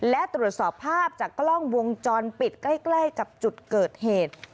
และตรวจสอบภาพจากกล้องวงจรปิดใกล้กับจุดเกิดเหตุ